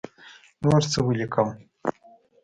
نور څه ولیکم.